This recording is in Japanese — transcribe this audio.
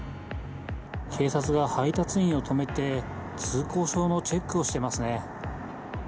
警察が配達員を止めて、通行証のチェックをしていますね。